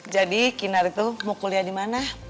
jadi kinar tuh mau kuliah di mana